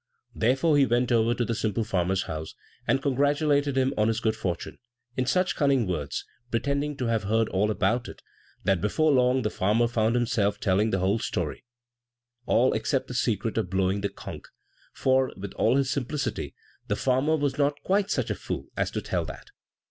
Therefore he went over to the simple farmer's house, and congratulated him on his good fortune, in such cunning words, pretending to have heard all about it, that before long the farmer found himself telling the whole story all except the secret of blowing the conch, for, with all his simplicity, the farmer was not quite such a fool as to tell that.